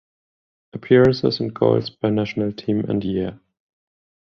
Appearances and goals by national team and year